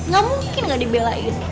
gak mungkin gak dibelain